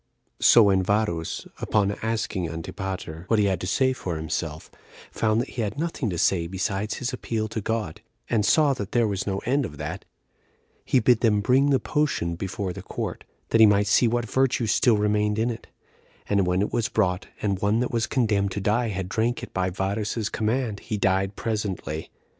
7. So when Varus, upon asking Antipater what he had to say for himself, found that he had nothing to say besides his appeal to God, and saw that there was no end of that, he bid them bring the potion before the court, that he might see what virtue still remained in it; and when it was brought, and one that was condemned to die had drank it by Varus's command, he died presently.